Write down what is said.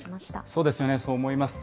そうですね、そう思います。